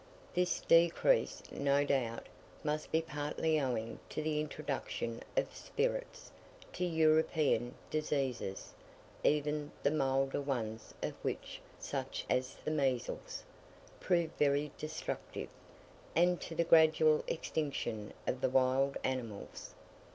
This decrease, no doubt, must be partly owing to the introduction of spirits, to European diseases (even the milder ones of which, such as the measles, prove very destructive), and to the gradual extinction of the wild animals.